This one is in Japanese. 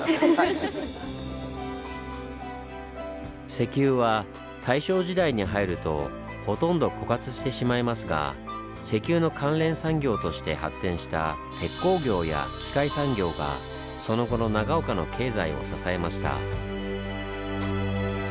石油は大正時代に入るとほとんど枯渇してしまいますが石油の関連産業として発展した鉄工業や機械産業がその後の長岡の経済を支えました。